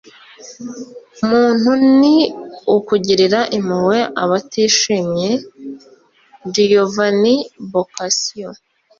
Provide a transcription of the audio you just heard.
muntu ni ukugirira impuhwe abatishimye. - giovanni boccaccio